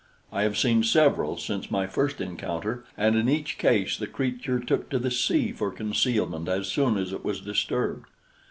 I have seen several since my first encounter, and in each case the creature took to the sea for concealment as soon as it was disturbed.